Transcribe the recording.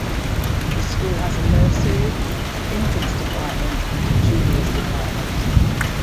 The school has a nursery, an infants department and a juniors department.